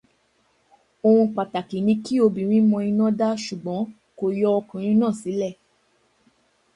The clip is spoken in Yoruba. Ohun pàtàkì ni kí obìnrin mọ iná dá, ṣùgbọ́n kò yọ ọkùnrin náà sílẹ̀.